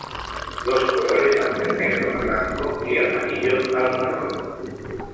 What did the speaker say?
Los colores van del negro al blanco y amarillo al marrón.